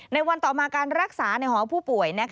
ในวันต่อมาการรักษาในหอผู้ป่วย